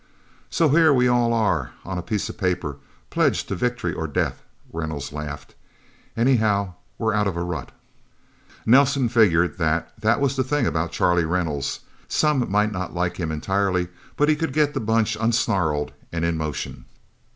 "So here we all are, on a piece of paper pledged to victory or death," Reynolds laughed. "Anyhow, we're out of a rut." Nelsen figured that that was the thing about Charlie Reynolds. Some might not like him, entirely. But he could get the Bunch unsnarled and in motion.